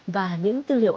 và những tư liệu